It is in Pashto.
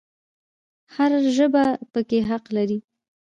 هر ژبه پکې حق لري